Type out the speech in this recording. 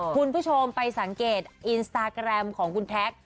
คุณผู้ชมไปสังเกตอินสตาแกรมของคุณแท็ก